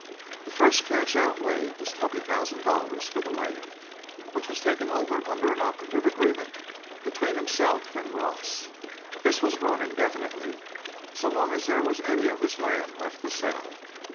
The first cash outlay was twenty thousand dollars for the land, which was taken over under an operative agreement between himself and Ross; this was run indefinitely—so long as there was any of this land left to sell.